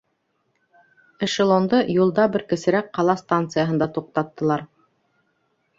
Эшелонды юлда бер кесерәк ҡала станцияһында туҡтаттылар.